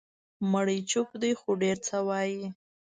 مړی چوپ دی، خو ډېر څه وایي.